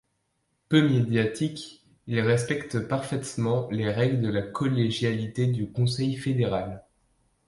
Peu médiatique, il respecte parfaitement les règles de la collégialité du Conseil fédéral.